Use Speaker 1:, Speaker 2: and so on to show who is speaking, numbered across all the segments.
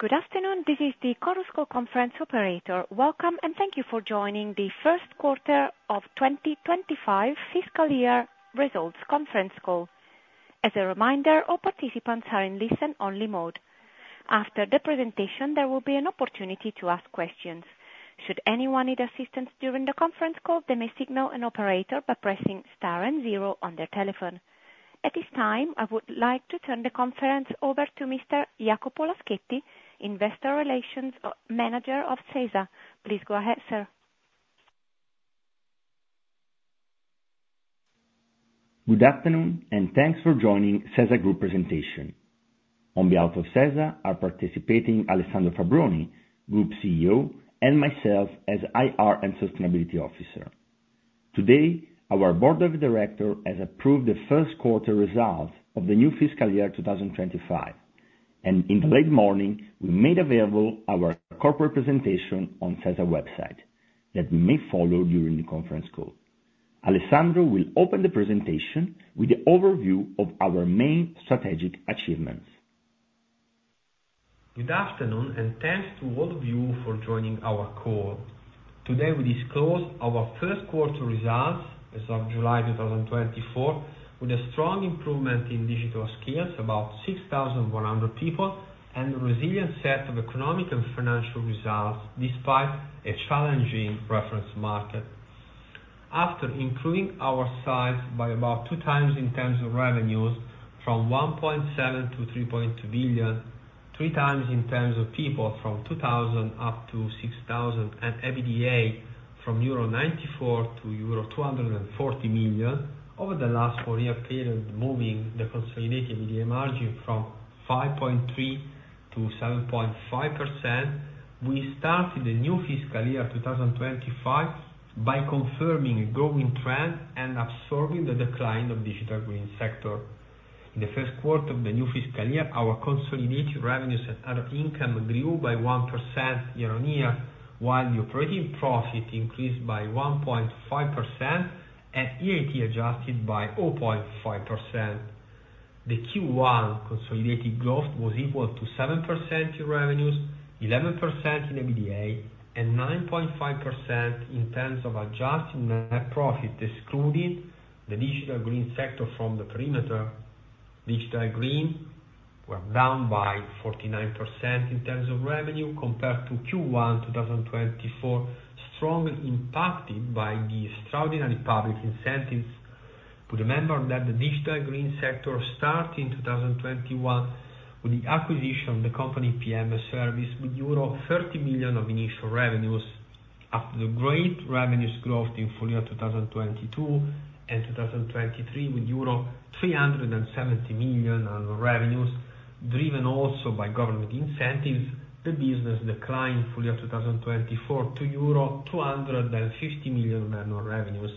Speaker 1: Good afternoon. This is the Chorus Call conference operator. Welcome, and thank you for joining the first quarter of 2025 fiscal year results conference call. As a reminder, all participants are in listen-only mode. After the presentation, there will be an opportunity to ask questions. Should anyone need assistance during the conference call, they may signal an operator by pressing star and zero on their telephone. At this time, I would like to turn the conference over to Mr. Jacopo Laschetti, Investor Relations Manager of SeSa. Please go ahead, sir.
Speaker 2: Good afternoon, and thanks for joining SeSa S.p.A. presentation. On behalf of SeSa, are participating Alessandro Fabbroni, Group CEO, and myself as IR and sustainability officer. Today, our board of directors has approved the first quarter results of the new fiscal year 2025, and in the late morning, we made available our corporate presentation on sesa.com that we may follow during the conference call. Alessandro will open the presentation with the overview of our main strategic achievements.
Speaker 3: Good afternoon, and thanks to all of you for joining our call. Today, we disclose our first quarter results as of July 2024, with a strong improvement in digital skills, about 6,100 people, and a resilient set of economic and financial results despite a challenging reference market. After increasing our size by about 2x in terms of revenues from 1.7 billion to 3.2 billion, 3x in terms of people from 2,000 up to 6,000, and EBITDA from EUR 94 million to euro 240 million over the last four-year period, moving the consolidated EBITDA margin from 5.3% to 7.5%, we started the new fiscal year 2025 by confirming a growing trend and absorbing the decline of Digital Green sector. In the first quarter of the new fiscal year, our consolidated revenues and other income grew by 1% year-on-year, while the operating profit increased by 1.5%, and EAT adjusted by 0.5%. The Q1 consolidated growth was equal to 7% in revenues, 11% in EBITDA, and 9.5% in terms of adjusted net profit, excluding the Digital Green sector from the perimeter. Digital Green were down by 49% in terms of revenue compared to Q1 2024, strongly impacted by the extraordinary public incentives. To remember that the Digital Green sector started in 2021 with the acquisition of the company PM Service, with euro 30 million of initial revenues. After the great revenues growth in full year 2022 and 2023 with euro 370 million annual revenues driven also by government incentives, the business declined full year 2024 to euro 250 million annual revenues,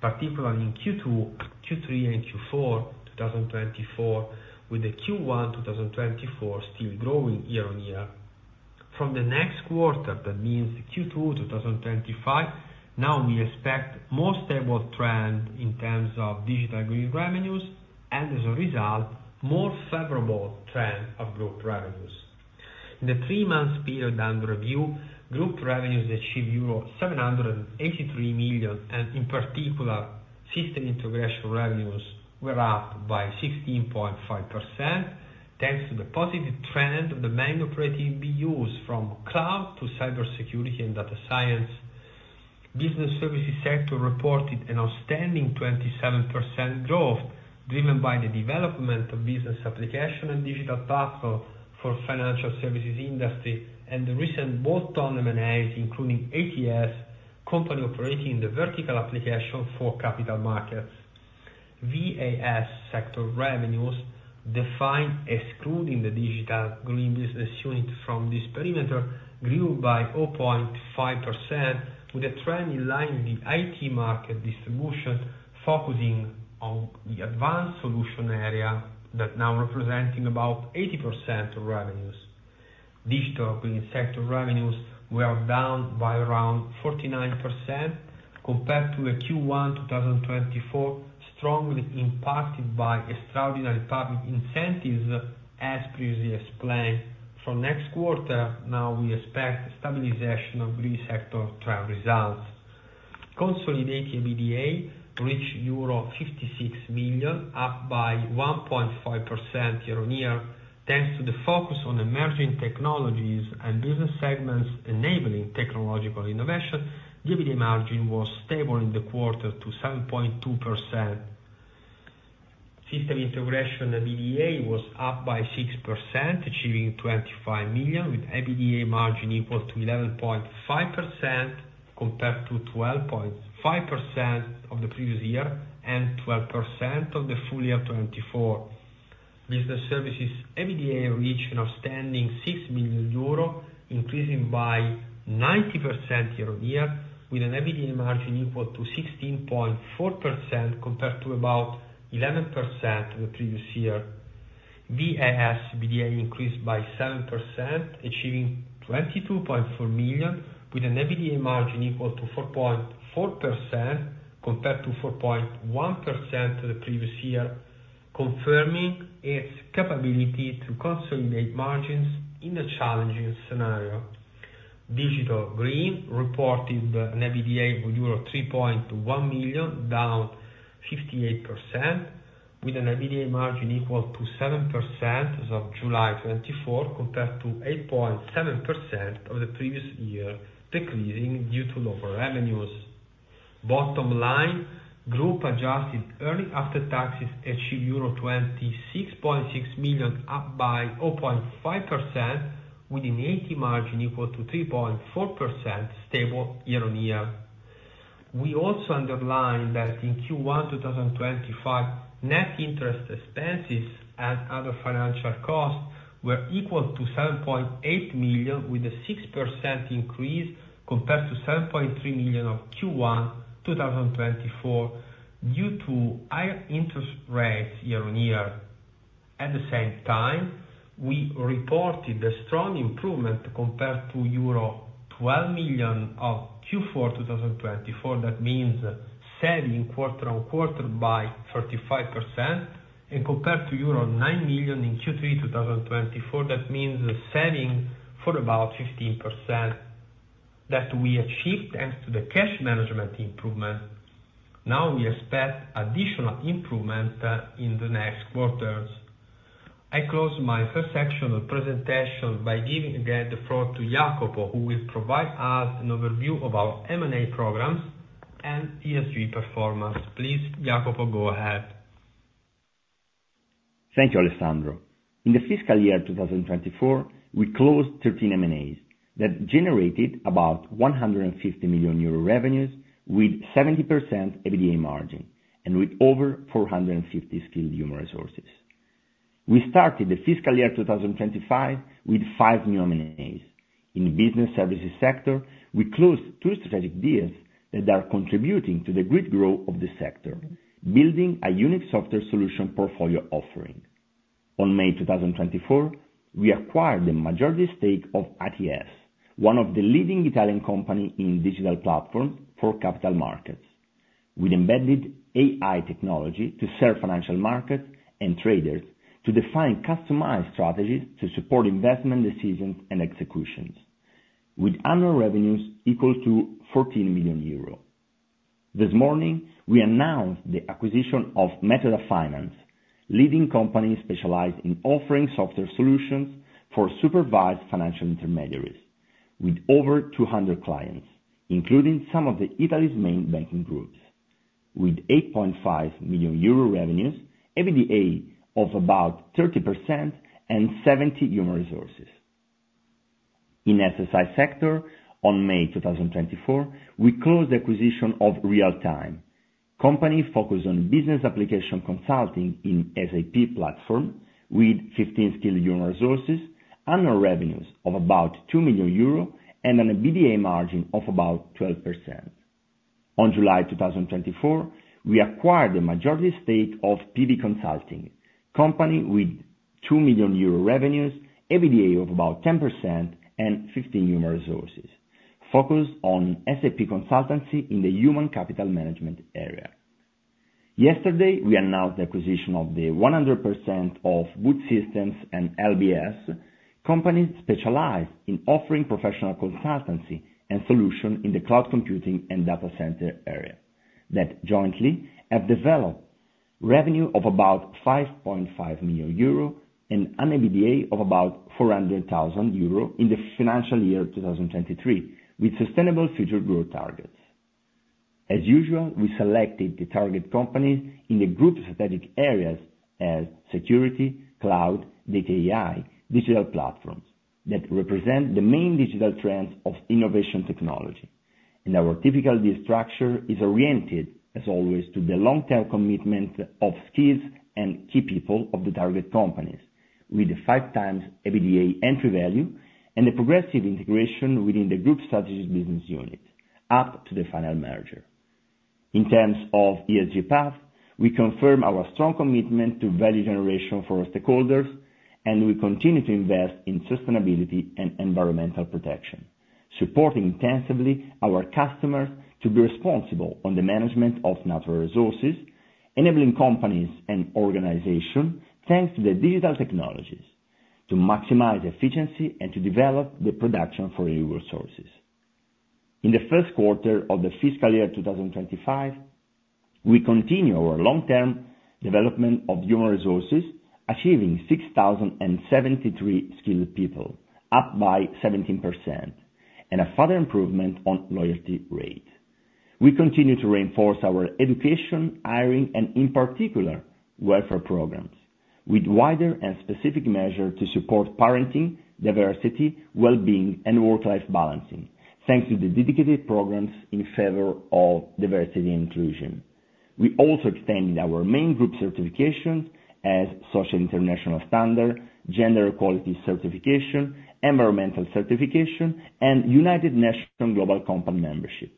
Speaker 3: particularly in Q2, Q3 and Q4 2024, with the Q1 2024 still growing year-on-year. From the next quarter, that means Q2 2025, now we expect more stable trend in terms of Digital Green revenues, and as a result, more favorable trend of group revenues. In the three months period under review, group revenues achieved euro 783 million, and in particular, system integration revenues were up by 16.5%. Thanks to the positive trend of the main operating units from cloud to cybersecurity and data science. Business services sector reported an outstanding 27% growth, driven by the development of business application and digital platform for financial services industry and the recent bolt-on M&As, including ATS, company operating the vertical application for capital markets. VAS sector revenues defined excluding the Digital Green business unit from this perimeter grew by 0.5% with a trend in line with the IT market distribution, focusing on the advanced solution area that now representing about 80% of revenues. Digital Green sector revenues were down by around 49% compared to the Q1 2024, strongly impacted by extraordinary public incentives, as previously explained. From next quarter, now we expect stabilization of Green sector trend results. Consolidated EBITDA reached 56 million, up by 1.5% year-on-year. Thanks to the focus on emerging technologies and business segments enabling technological innovation, the EBITDA margin was stable in the quarter to 7.2%. System integration EBITDA was up by 6%, achieving 25 million, with EBITDA margin equal to 11.5% compared to 12.5% of the previous year and 12% of the full year 2024. Business services EBITDA reached an outstanding 6 million euro, increasing by 90% year-on-year, with an EBITDA margin equal to 16.4% compared to about 11% the previous year. VAS EBITDA increased by 7%, achieving 22.4 million, with an EBITDA margin equal to 4.4% compared to 4.1% the previous year, confirming its capability to consolidate margins in a challenging scenario. Digital Green reported an EBITDA of euro 3.1 million, down 58%, with an EBITDA margin equal to 7% as of July 2024, compared to 8.7% of the previous year, decreasing due to lower revenues. Bottom line, group adjusted earnings after taxes achieved euro 26.6 million, up by 0.5%, with an EBITDA margin equal to 3.4%, stable year-on-year. We also underline that in Q1 2025, net interest expenses and other financial costs were equal to 7.8 million, with a 6% increase compared to 7.3 million of Q1 2024 due to higher interest rates year-on-year. At the same time, we reported a strong improvement compared to euro 12 million of Q4 2024. That means saving quarter-on-quarter by 35%, and compared to euro 9 million in Q3 2024, that means saving for about 15%, that we achieved thanks to the cash management improvement. Now we expect additional improvement in the next quarters. I close my first section of the presentation by giving again the floor to Jacopo, who will provide us an overview of our M&A programs and ESG performance. Please, Jacopo, go ahead.
Speaker 2: Thank you, Alessandro. In the FY 2024, we closed 13 M&As that generated about 150 million euro revenues, with 70% EBITDA margin and with over 450 skilled human resources. We started the FY 2025 with five new M&As. In business services sector, we closed two strategic deals that are contributing to the great growth of the sector, building a unique software solution portfolio offering. On May 2024, we acquired the majority stake of ATS, one of the leading Italian company in digital platform for capital markets, with embedded AI technology to serve financial markets and traders to define customized strategies to support investment decisions and executions, with annual revenues equal to 14 million euro. This morning, we announced the acquisition of Metoda Finance, leading company specialized in offering software solutions for supervised financial intermediaries with over 200 clients, including some of the Italy's main banking groups, with 8.5 million euro revenues, EBITDA of about 30%, and 70 human resources. In SSI sector, on May 2024, we closed the acquisition of Real-Time, company focused on business application consulting in SAP platform, with 15 skilled human resources, annual revenues of about 2 million euro, and an EBITDA margin of about 12%. On July 2024, we acquired a majority stake of PV Consulting, company with 2 million euro revenues, EBITDA of about 10%, and 15 human resources, focused on SAP consultancy in the human capital management area. Yesterday, we announced the acquisition of the 100% of Boot Systems and LBS, companies specialized in offering professional consultancy and solution in the cloud computing and data center area, that jointly have developed revenue of about 5.5 million euro and an EBITDA of about 400,000 euro in the financial year 2023, with sustainable future growth targets. As usual, we selected the target companies in the group strategic areas as security, cloud, data AI, digital platforms that represent the main digital trends of innovation technology. Our typical deal structure is oriented, as always, to the long-term commitment of skills and key people of the target companies, with the five times EBITDA entry value and the progressive integration within the group strategic business unit, up to the final merger. In terms of ESG path, we confirm our strong commitment to value generation for our stakeholders. We continue to invest in sustainability and environmental protection, supporting intensively our customers to be responsible on the management of natural resources, enabling companies and organization, thanks to the digital technologies, to maximize efficiency and to develop the production for resources. In the first quarter of the FY 2025, we continue our long-term development of human resources, achieving 6,073 skilled people, up by 17%, and a further improvement on loyalty rate. We continue to reinforce our education, hiring, and in particular, welfare programs with wider and specific measure to support parenting, diversity, well-being, and work-life balancing, thanks to the dedicated programs in favor of diversity and inclusion. We also extended our main group certifications as Social International Standard, Gender Equality Certification, Environmental Certification, and United Nations Global Compact membership,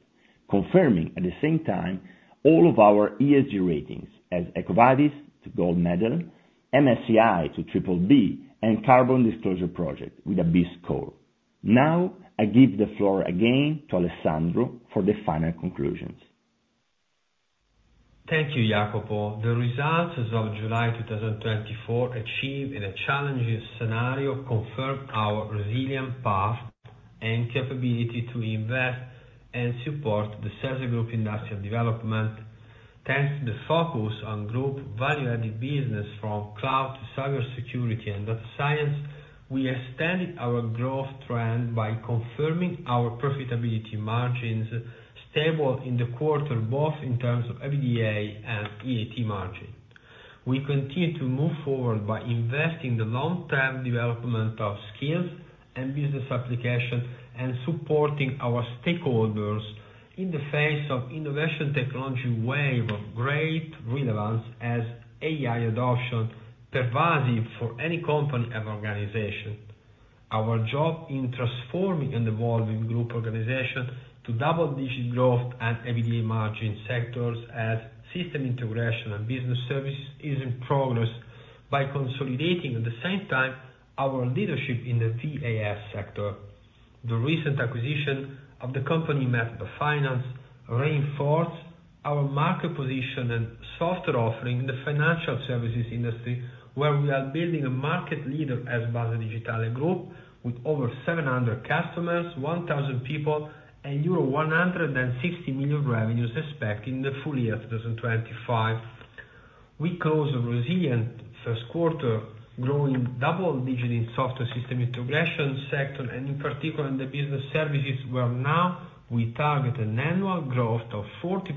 Speaker 2: confirming at the same time all of our ESG ratings as Equita gold medal, MSCI BBB, and Carbon Disclosure Project with a B score. Now, I give the floor again to Alessandro for the final conclusions.
Speaker 3: Thank you, Jacopo. The results of July 2024 achieved in a challenging scenario confirmed our resilient path and capability to invest and support the SeSa S.p.A. industrial development. Thanks to the focus on group value-added business from cloud to cybersecurity and data science, we extended our growth trend by confirming our profitability margins stable in the quarter, both in terms of EBITDA and EAT margin. We continue to move forward by investing the long-term development of skills and business application and supporting our stakeholders in the face of innovation technology wave of great relevance as AI adoption pervasive for any company and organization. Our job in transforming and evolving group organization to double-digit growth and EBITDA margin sectors as system integration and business services is in progress by consolidating, at the same time, our leadership in the VAS sector. The recent acquisition of the company Metoda Finance reinforced our market position and software offering in the financial services industry, where we are building a market leader as Base Digitale group with over 700 customers, 1,000 people, and euro 160 million revenues expected in the FY 2025. We close a resilient first quarter, growing double-digits in software system integration sector and in particular in the business services, where now we target an annual growth of 40%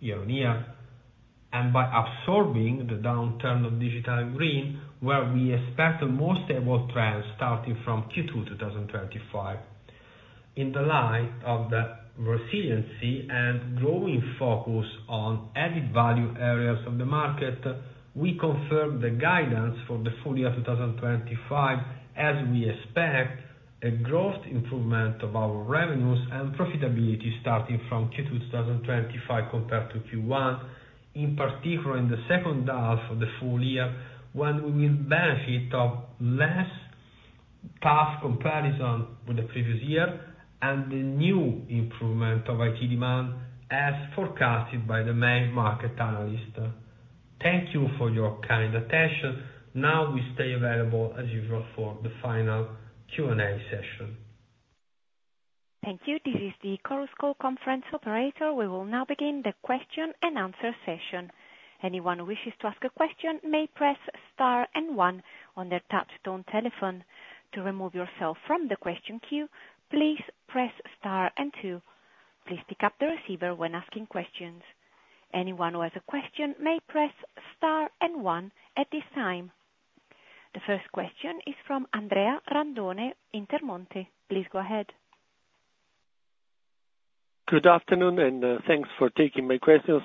Speaker 3: year-on-year. By absorbing the downturn of Digital Green, where we expect a more stable trend starting from Q2 2025. In the light of the resiliency and growing focus on added value areas of the market, we confirm the guidance for the FY 2025, as we expect a growth improvement of our revenues and profitability starting from Q2 2025 compared to Q1. In particular, in the second half of the FY, when we will benefit of less tough comparison with the previous year and the new improvement of IT demand as forecasted by the main market analyst. Thank you for your kind attention. Now we stay available as usual for the final Q&A session.
Speaker 1: Thank you. This is the Chorus Call Conference Operator. We will now begin the question and answer session. Anyone who wishes to ask a question may press star and one on their touchtone telephone. To remove yourself from the question queue, please press star and two. Please pick up the receiver when asking questions. Anyone who has a question may press star and one at this time. The first question is from Andrea Randone, Intermonte. Please go ahead.
Speaker 4: Good afternoon. Thanks for taking my questions.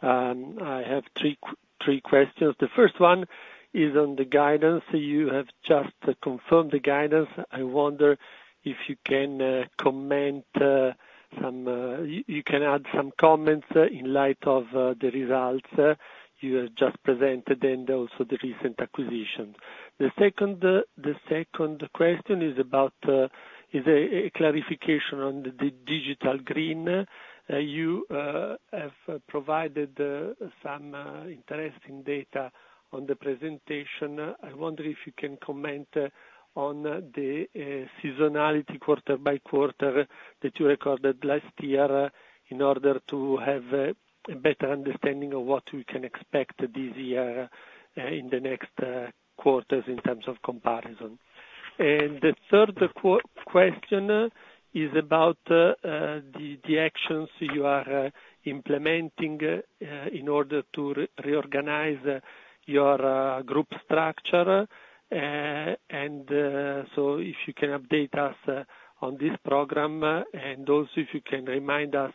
Speaker 4: I have three questions. The first one is on the guidance. You have just confirmed the guidance. I wonder if you can add some comments in light of the results you have just presented and also the recent acquisitions. The second question is a clarification on the Digital Green. You have provided some interesting data on the presentation. I wonder if you can comment on the seasonality quarter by quarter that you recorded last year in order to have a better understanding of what we can expect this year in the next quarters in terms of comparison. The third question is about the actions you are implementing in order to reorganize your group structure. If you can update us on this program, also if you can remind us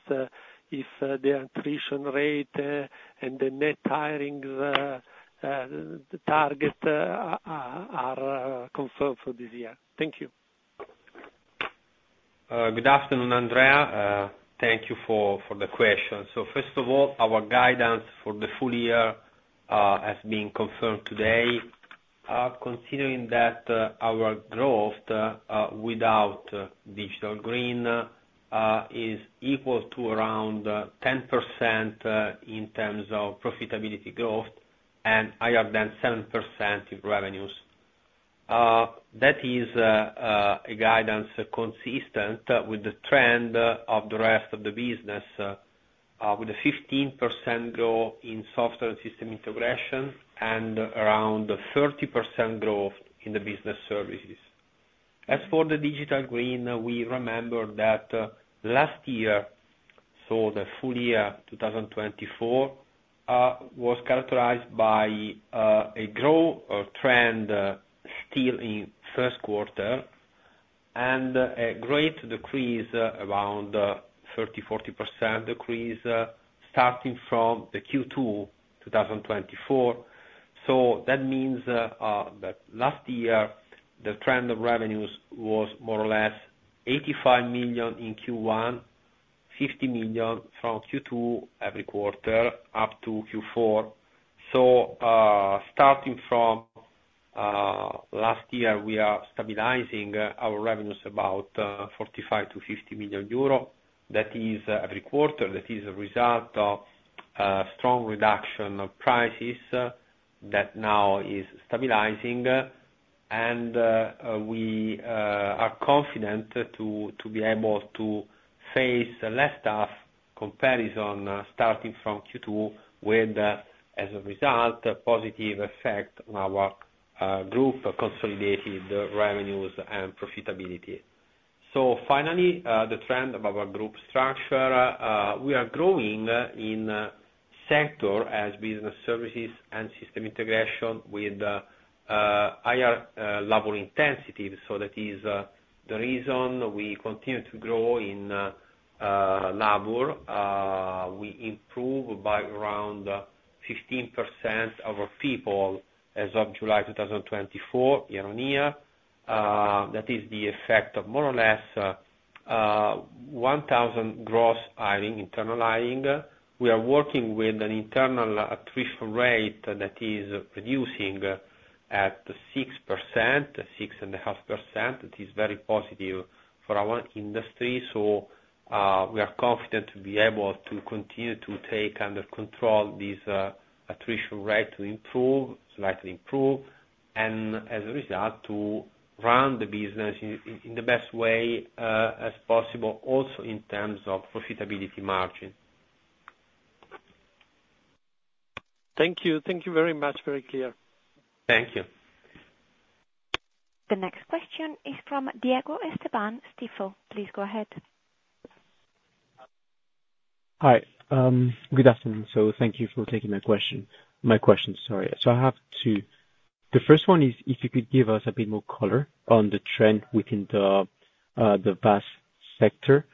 Speaker 4: if the attrition rate and the net hiring target are confirmed for this year. Thank you.
Speaker 3: Good afternoon, Andrea. Thank you for the question. First of all, our guidance for the full year has been confirmed today. Considering that our growth without Digital Green is equal to around 10% in terms of profitability growth and higher than 7% in revenues. That is a guidance consistent with the trend of the rest of the business, with a 15% growth in software and system integration and around a 30% growth in the business services. As for the Digital Green, we remember that last year, the full year 2024, was characterized by a growth trend still in first quarter and a great decrease, around 30%-40% decrease, starting from the Q2 2024. That means that last year, the trend of revenues was more or less 85 million in Q1, 50 million from Q2 every quarter up to Q4. Starting from last year, we are stabilizing our revenues about 45 million-50 million euro. That is every quarter. That is a result of a strong reduction of prices that now is stabilizing. We are confident to be able to face a less tough comparison starting from Q2, with, as a result, a positive effect on our group consolidated revenues and profitability. Finally, the trend of our group structure, we are growing in sector as business services and system integration with higher labor intensity. That is the reason we continue to grow in labor. We improved by around 15% our people as of July 2024, year-on-year. That is the effect of more or less 1,000 gross internal hiring. We are working with an internal attrition rate that is reducing at 6%, 6.5%, it is very positive for our industry. We are confident to be able to continue to take under control this attrition rate to slightly improve, and as a result, to run the business in the best way as possible also in terms of profitability margin.
Speaker 4: Thank you. Thank you very much. Very clear.
Speaker 3: Thank you.
Speaker 1: The next question is from Diego Canalda, Stifel. Please go ahead.
Speaker 5: Hi. Good afternoon, sir. Thank you for taking my questions. I have two. The first one is, if you could give us a bit more color on the trend within the VAS sector,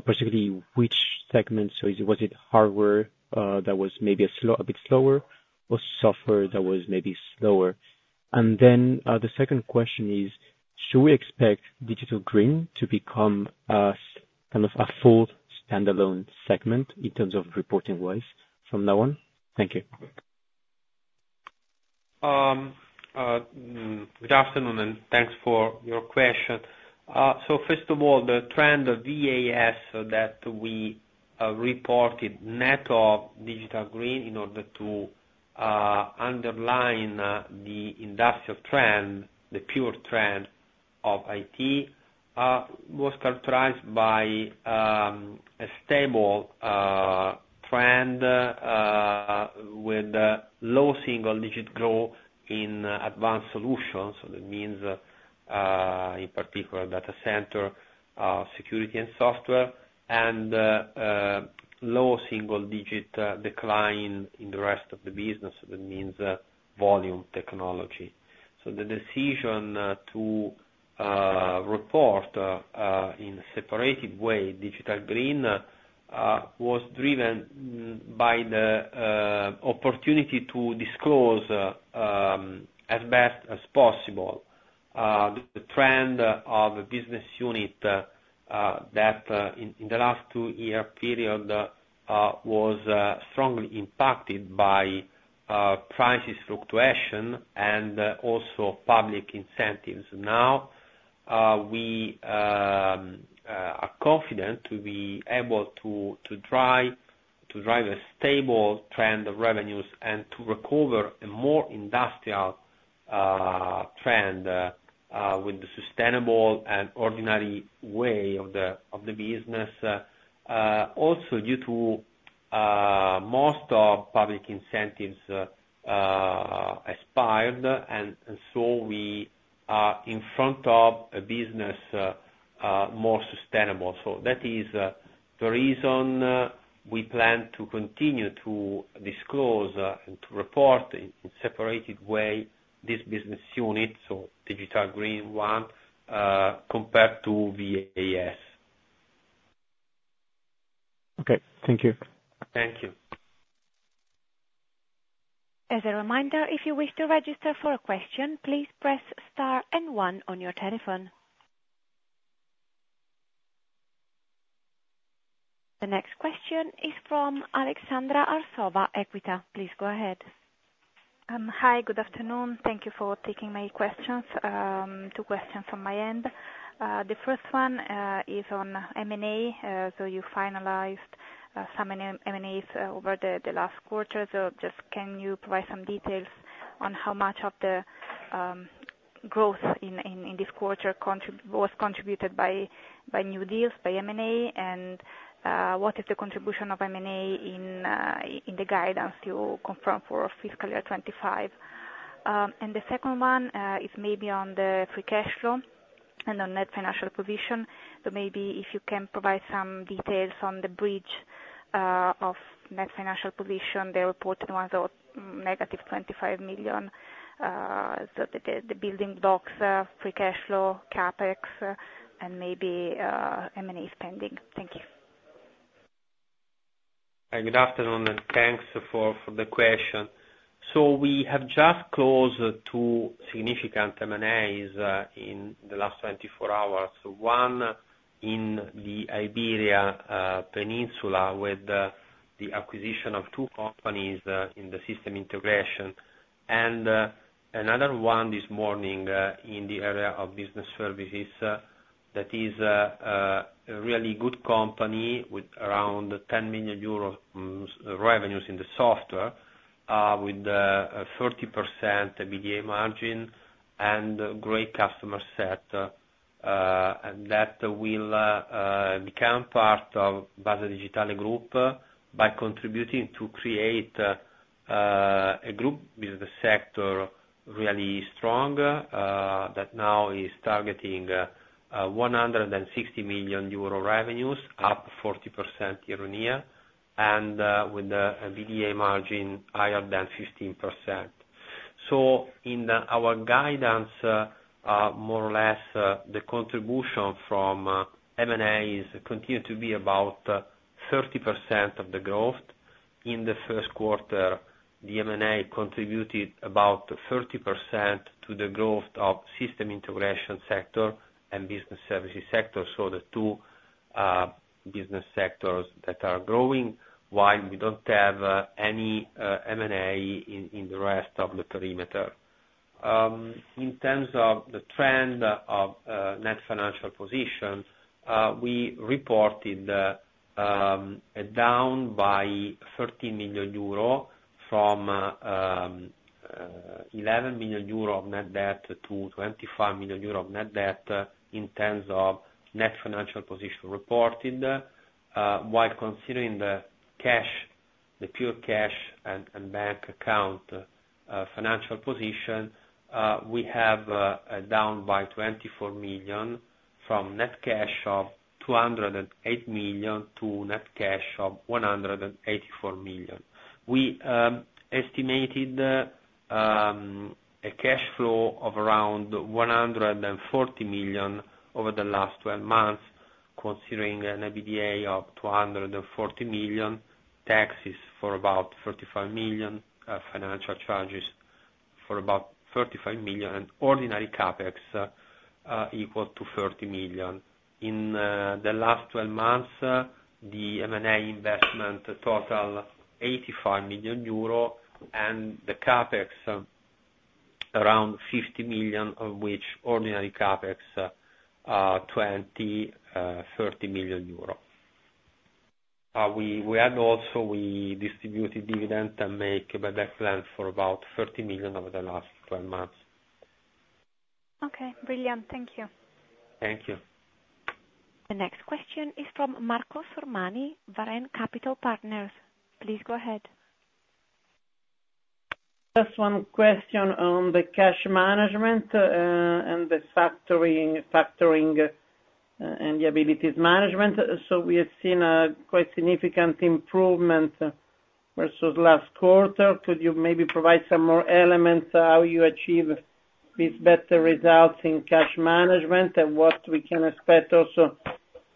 Speaker 5: specifically which segments. Was it hardware that was maybe a bit slower, or software that was maybe slower? The second question is, should we expect Digital Green to become a full standalone segment in terms of reporting-wise from now on? Thank you.
Speaker 3: Good afternoon. Thanks for your question. First of all, the trend of VAS that we reported, net of Digital Green in order to underline the industrial trend, the pure trend of IT, was characterized by a stable trend with low single-digit growth in advanced solutions. That means, in particular data center, security and software, and low single-digit decline in the rest of the business. That means volume technology. The decision to report in a separated way, Digital Green, was driven by the opportunity to disclose, as best as possible, the trend of business unit that in the last two-year period, was strongly impacted by prices fluctuation and also public incentives. Now, we are confident to be able to drive a stable trend of revenues and to recover a more industrial trend, with the sustainable and ordinary way of the business. Also due to most of public incentives expired, we are in front of a business, more sustainable. That is the reason we plan to continue to disclose and to report in separated way this business unit, Digital Green one, compared to VAS.
Speaker 5: Okay. Thank you.
Speaker 3: Thank you.
Speaker 1: As a reminder, if you wish to register for a question, please press star and one on your telephone. The next question is from Aleksandra Arsova, Equita. Please go ahead.
Speaker 6: Hi, good afternoon. Thank you for taking my questions. Two questions from my end. The first one is on M&A. You finalized some M&As over the last quarter. Just can you provide some details on how much of the growth in this quarter was contributed by new deals, by M&A, and what is the contribution of M&A in the guidance you confirmed for fiscal year 2025? The second one is maybe on the free cash flow and the net financial position. Maybe if you can provide some details on the bridge of net financial position, the reported ones are negative 25 million. The building blocks, free cash flow, CapEx, and maybe M&A spending. Thank you.
Speaker 3: Good afternoon, and thanks for the question. We have just closed two significant M&As in the last 24 hours. One in the Iberian Peninsula with the acquisition of two companies in the system integration, and another one this morning in the area of business services. That is a really good company with around 10 million euros revenues in the software, with a 30% EBITDA margin and a great customer set. That will become part of Base Digitale group by contributing to create a group with the sector really strong, that now is targeting 160 million euro revenues, up 40% year-on-year, and with a EBITDA margin higher than 15%. In our guidance, more or less, the contribution from M&A continue to be about 30% of the growth. In the first quarter, the M&A contributed about 30% to the growth of system integration sector and business services sector. The two business sectors that are growing while we don't have any M&A in the rest of the perimeter. In terms of the trend of net financial position, we reported down by 13 million euro from 11 million euro net debt to 25 million euro of net debt in terms of net financial position reported. While considering the pure cash and bank account financial position, we have down by 24 million from net cash of 208 million to net cash of 184 million. We estimated a cash flow of around 140 million over the last 12 months considering an EBITDA of 240 million, taxes for about 35 million, financial charges for about 35 million, and ordinary CapEx equal to 30 million. In the last 12 months, the M&A investment total 85 million euro and the CapEx around 50 million, of which ordinary CapEx 20 million-30 million euro. We distributed dividend and make bad debt plans for about 30 million over the last 12 months.
Speaker 6: Okay, brilliant. Thank you.
Speaker 3: Thank you.
Speaker 1: The next question is from Marco Sormani, Varenne Capital Partners. Please go ahead.
Speaker 7: Just one question on the cash management, and the factoring, and the liabilities management. We have seen a quite significant improvement versus last quarter. Could you maybe provide some more elements how you achieve these better results in cash management and what we can expect also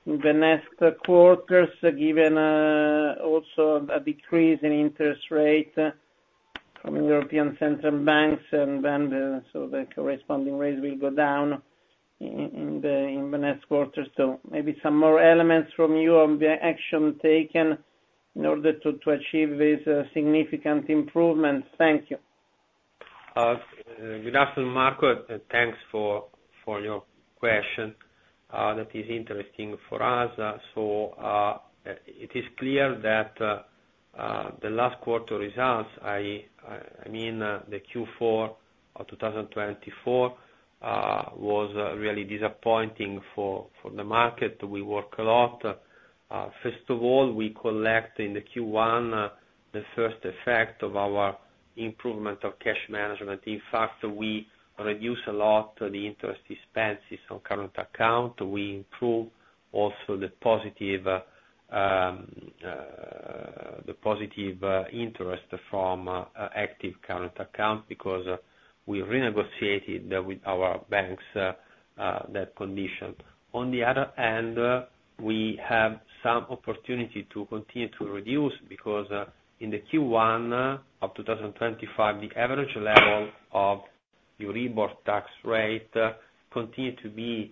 Speaker 7: in the next quarters, given also a decrease in interest rate from European Central Bank and then, the corresponding rates will go down in the next quarter. Maybe some more elements from you on the action taken in order to achieve these significant improvements. Thank you.
Speaker 3: Good afternoon, Marco. Thanks for your question. That is interesting for us. It is clear that the last quarter results, I mean, the Q4 of 2024, was really disappointing for the market. We work a lot. First of all, we collect in the Q1, the first effect of our improvement of cash management. In fact, we reduce a lot the interest expenses on current account. We improve also the positive interest from active current account because we renegotiated with our banks, that condition. On the other hand, we have some opportunity to continue to reduce because in the Q1 of 2025, the average level of Euribor rate continued to be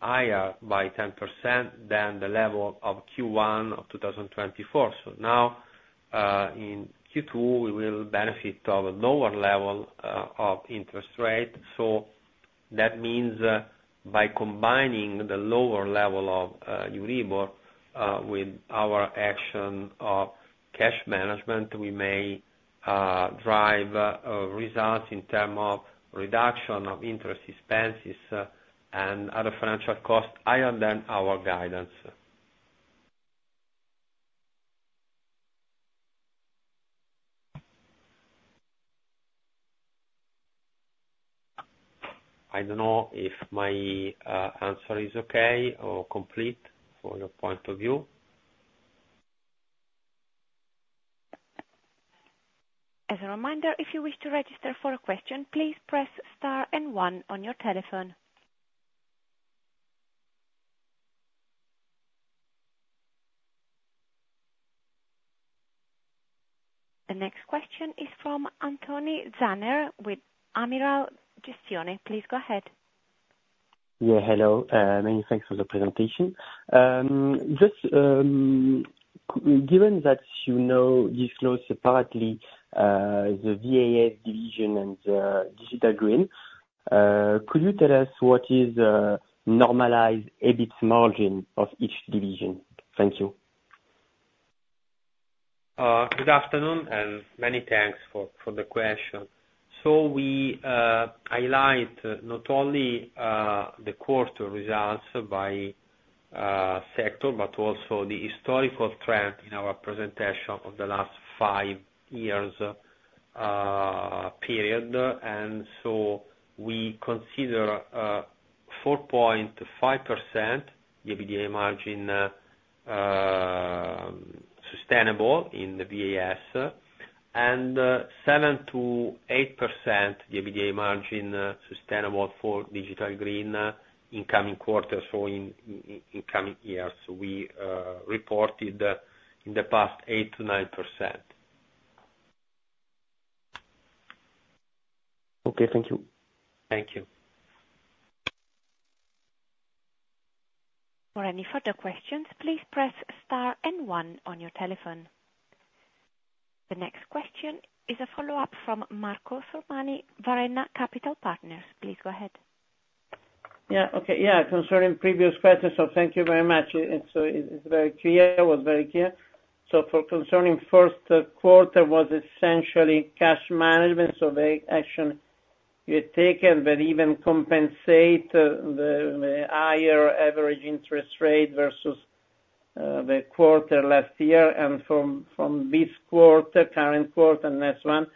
Speaker 3: higher by 10% than the level of Q1 of 2024. Now, in Q2, we will benefit of a lower level of interest rate. That means by combining the lower level of Euribor, with our action of cash management, we may drive results in terms of reduction of interest expenses and other financial costs higher than our guidance. I don't know if my answer is okay or complete from your point of view.
Speaker 1: As a reminder, if you wish to register for a question, please press star and one on your telephone. The next question is from Anthony Zanner with Amiral Gestion. Please go ahead.
Speaker 8: Yeah, hello. Many thanks for the presentation. Given that you know these flows separately, the VAS division and the Digital Green, could you tell us what is normalized EBIT margin of each division? Thank you.
Speaker 3: Good afternoon, and many thanks for the question. We highlight not only the quarter results by sector, but also the historical trend in our presentation of the last five years period. We consider 4.5% EBITDA margin sustainable in the VAS and 7%-8% EBITDA margin sustainable for Digital Green in coming quarters or in coming years. We reported in the past 8%-9%.
Speaker 8: Okay, thank you.
Speaker 3: Thank you.
Speaker 1: For any further questions, please press Star and One on your telephone. The next question is a follow-up from Marco Sormani, Varenne Capital Partners. Please go ahead.
Speaker 7: Okay. Concerning previous questions, thank you very much. It is very clear, was very clear. Concerning first quarter was essentially cash management, the action you had taken that even compensate the higher average interest rate versus the quarter last year. From this quarter, current quarter, and next one,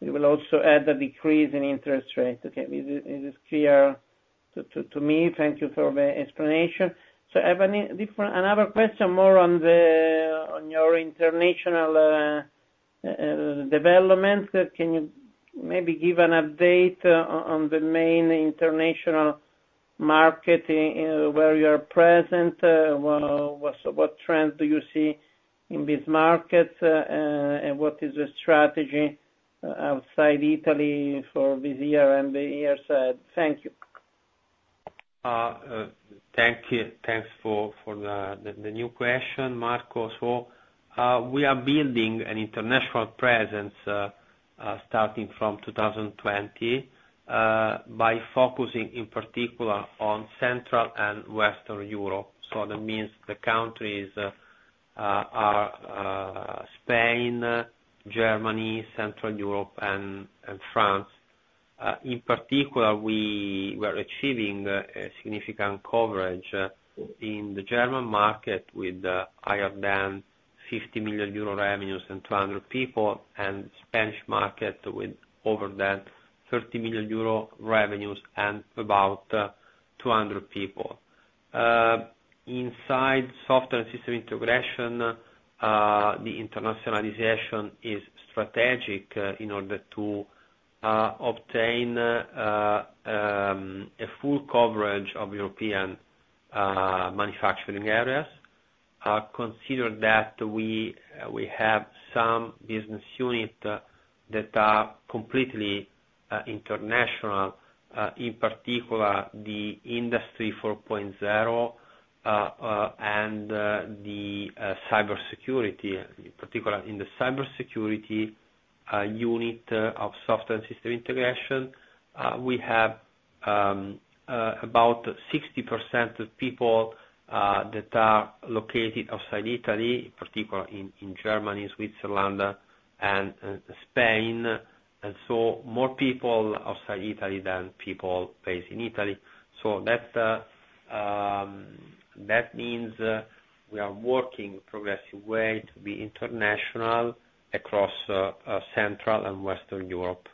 Speaker 7: we will also add a decrease in interest rate. Okay, it is clear to me. Thank you for the explanation. I have another question more on your international developments. Can you maybe give an update on the main international market where you are present? What trend do you see in this market? What is the strategy outside Italy for this year and the years ahead? Thank you.
Speaker 3: Thank you. Thanks for the new question, Marco. We are building an international presence, starting from 2020, by focusing in particular on Central and Western Europe. The countries are Spain, Germany, Central Europe, and France. In particular, we were achieving a significant coverage in the German market with higher than 50 million euro revenues and 200 people and Spanish market with over 30 million euro revenues and about 200 people. Inside software and system integration, the internationalization is strategic in order to obtain a full coverage of European manufacturing areas. Consider that we have some business unit that are completely international, in particular the Industry 4.0 and the cybersecurity. In particular, in the cybersecurity unit of software and system integration, we have about 60% of people that are located outside Italy, particularly in Germany, Switzerland, and Spain. More people outside Italy than people based in Italy. We are working progressive way to be international across Central and Western Europe.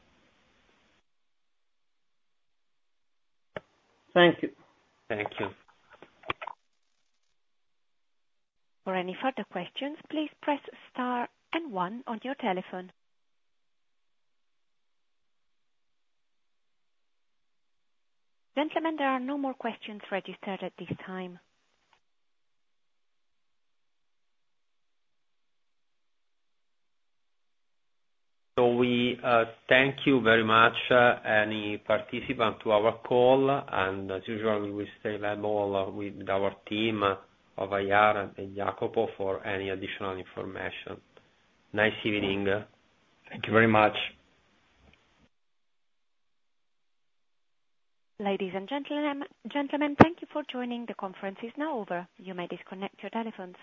Speaker 7: Thank you.
Speaker 3: Thank you.
Speaker 1: For any further questions, please press Star and One on your telephone. Gentlemen, there are no more questions registered at this time.
Speaker 3: We thank you very much, any participant to our call, and as usual, we stay available with our team of IR and Jacopo for any additional information. Nice evening.
Speaker 7: Thank you very much.
Speaker 1: Ladies and gentlemen, thank you for joining. The conference is now over. You may disconnect your telephones.